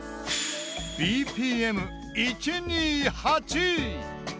ＢＰＭ１２８。